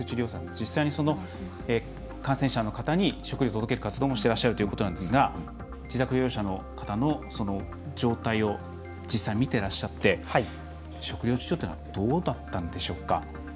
実際に感染者の方に食料を届ける活動もしてらっしゃるということなんですが自宅療養者の方の状態を実際、見てらっしゃって食料事情というのはどうだったんでしょうか。